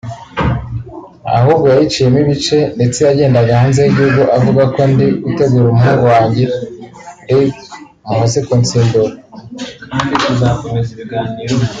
ahubwo yayiciyemo ibice ndetse yagendaga hanze y’igihugu avuga ko ndi gutegura umuhungu wanjye Brig Muhozi kunsimbura